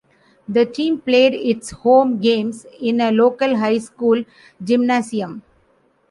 The team played its home games in a local high school gymnasium.